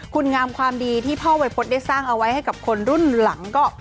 คุณงามความดีที่พ่อวัยพฤษได้สร้างเอาไว้ให้กับคนรุ่นหลังก็